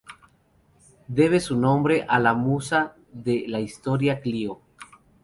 Debe su nombre a la musa de la Historia Clío.